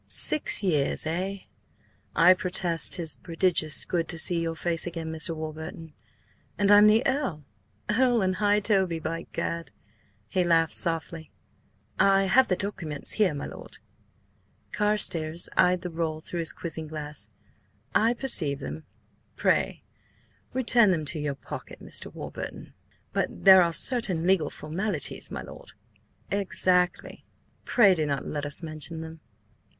"Six years, eh? I protest 'tis prodigious good to see your face again, Mr. Warburton. ... And I'm the Earl? Earl and High Toby, by Gad!" He laughed softly. "I have here the documents, my lord. ..." Carstares eyed the roll through his quizzing glass. "I perceive them. Pray return them to your pocket, Mr. Warburton." "But there are certain legal formalities, my lord—" "Exactly. Pray do not let us mention them!"